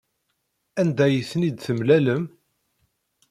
Anda ay ten-id-temlalem?